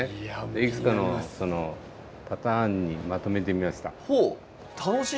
いくつかのパターンにまとめてみました。